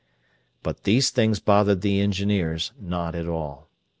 But these things bothered the engineers not at all.